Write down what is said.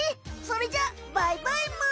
それじゃバイバイむ！